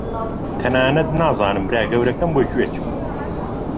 تەنانەت نازانم برا گەورەکەم بۆ کوێ چوو.